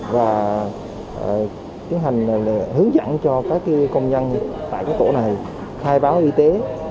và tiến hành hướng dẫn cho các công nhân tại tổ này khai báo y tế